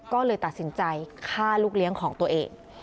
ก็เลยตัดสินใจฆ่าลูกเลี้ยงของตัวเอง